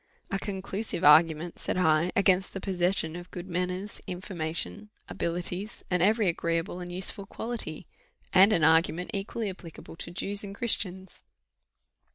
"A conclusive argument," said. I, "against the possession of good manners, information, abilities, and every agreeable and useful quality! and an argument equally applicable to Jews and Christians."